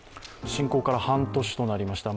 侵攻から半年となりました。